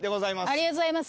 ありがとうございます。